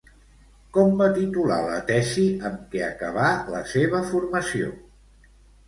Com va titular la tesi amb què acabà la seva formació?